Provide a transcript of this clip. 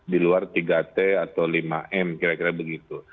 di luar tiga t atau lima m kira kira begitu